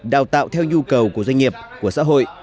đào tạo theo nhu cầu của doanh nghiệp của xã hội